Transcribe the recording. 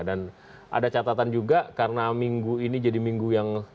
dan ada catatan juga karena minggu ini jadi minggu yang